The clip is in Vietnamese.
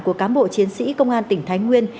của cám bộ chiến sĩ công an tỉnh thái nguyên